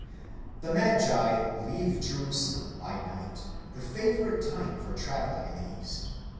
0 The magi leave Jerusalem by night, the favourite time for travelling in the east.